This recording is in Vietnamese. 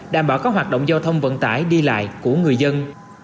đảm bảo các hoạt động giao thông vận tải đi lại của người dân